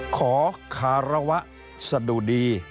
ขอคารวะสะดุดี